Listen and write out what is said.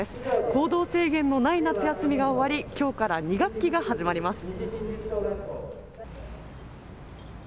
行動制限のない夏休みが終わりきょうから２学期が始まります。